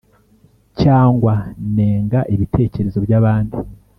cyangwa nenga ibitekerezo by’abandi